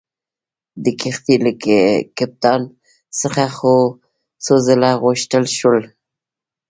د کښتۍ له کپټان څخه څو ځله وغوښتل شول.